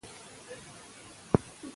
که دسترخوان وي نو ډوډۍ نه بې عزته کیږي.